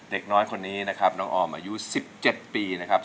เด็กน้อยคนนี้นะครับน้องออมอายุ๑๗ปีนะครับ